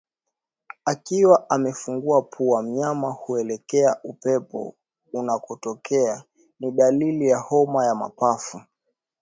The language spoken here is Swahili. Akiwa amefungua pua mnyama huelekea upepo unakotokea ni dalili ya homa ya mapafu